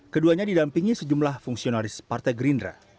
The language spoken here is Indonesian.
keduanya didampingi sejumlah fungsionaris partai gerindra